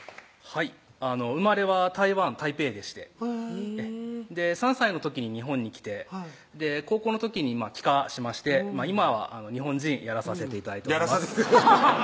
はい生まれは台湾・台北でしてへぇ３歳の時に日本に来て高校の時に帰化しまして今は日本人やらさせて頂いております